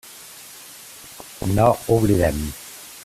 No oblidem.